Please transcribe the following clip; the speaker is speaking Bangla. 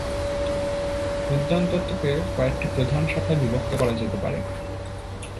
উদ্যান তত্ত্বকে কয়েকটি প্রধান শাখায় বিভক্ত করা যেতে পারে।